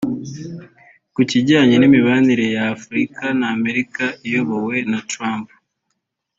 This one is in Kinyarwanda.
Ku kijyanye n’imibanire ya Afurika na Amerika iyobowe na Trump